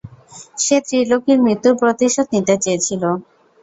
সে ত্রিলোকির মৃত্যুর প্রতিশোধ নিতে চেয়েছিল।